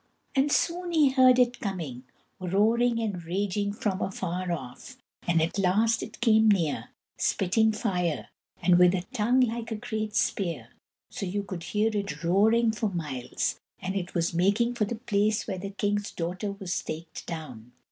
And soon he heard it coming, roaring and raging from afar off, and at last it came near, spitting fire, and with a tongue like a great spear, and you could hear it roaring for miles, and it was making for the place where the king's daughter was staked down.